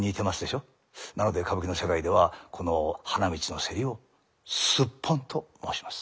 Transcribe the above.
なので歌舞伎の世界ではこの花道のせりをスッポンと申します。